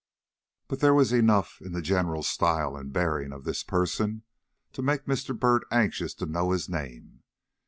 But there was enough in the general style and bearing of this person to make Mr. Byrd anxious to know his name.